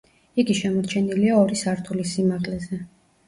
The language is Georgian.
იგი შემორჩენილია ორი სართულის სიმაღლეზე.